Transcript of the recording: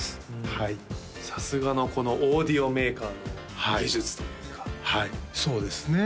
はいさすがのこのオーディオメーカーの技術というかはいそうですね